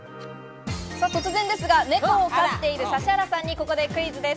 突然ですが、猫を飼ってる指原さんにクイズです。